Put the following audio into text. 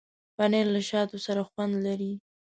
پنېر له شاتو سره خوند لري.